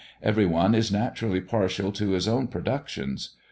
Every one is naturally partial to his own productions.